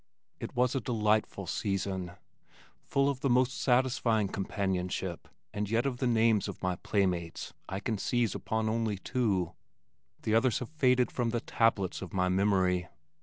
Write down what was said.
It was a delightful season, full of the most satisfying companionship and yet of the names of my playmates I can seize upon only two the others have faded from the tablets of my memory.